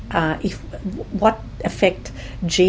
apa yang bisa diberikan gen